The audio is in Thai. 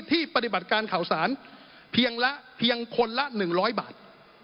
ปฏิบัติการข่าวสารเพียงคนละ๑๐๐บาท